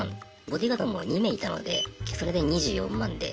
ボディーガードも２名いたのでそれで２４万で。